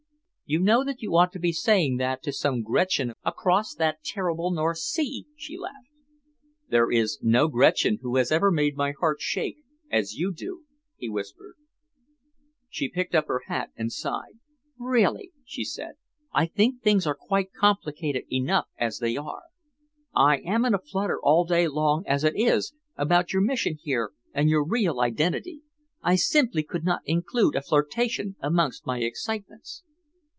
"You know that you ought to be saying that to some Gretchen away across that terrible North Sea," she laughed. "There is no Gretchen who has ever made my heart shake as you do," he whispered. She picked up her hat and sighed. "Really," she said, "I think things are quite complicated enough as they are. I am in a flutter all day long, as it is, about your mission here and your real identity. I simply could not include a flirtation amongst my excitements."